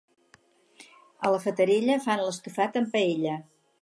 A la Fatarella, fan l'estofat amb paella.